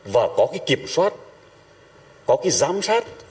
và có cái kiểm soát có cái giám sát